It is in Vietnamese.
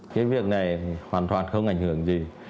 cái việc này hoàn toàn không ảnh hưởng gì